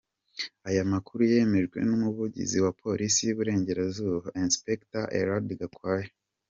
Aya makuru yemejwe n’Umuvugizi wa Polisi y’Iburengerazuba, Inspector Eulade Gakwaya.